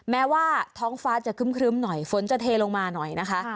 แม้ว่าท้องฟ้าจะครึ้มหน่อยฝนจะเทลงมาหน่อยนะคะ